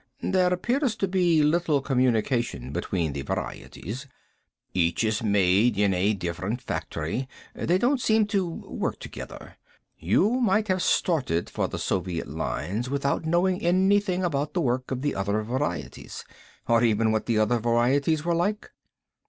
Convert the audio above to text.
"There appears to be little communication between the varieties. Each is made in a different factory. They don't seem to work together. You might have started for the Soviet lines without knowing anything about the work of the other varieties. Or even what the other varieties were like."